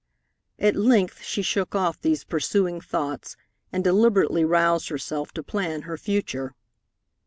At length she shook off these pursuing thoughts and deliberately roused herself to plan her future.